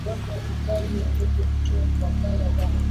na wameinisha matukio kadhaa ya udanganyifu yaliofanywa na chama tawala